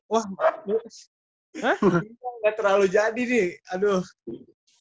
wah nggak terlalu jadi nih aduh